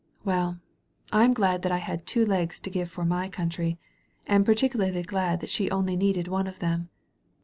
* Well, I'm glad that I had two legs to give for my country, and par ticularly glad that she only needed one of them.'